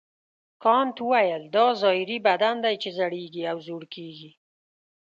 کانت وویل دا ظاهري بدن دی چې زړیږي او زوړ کیږي.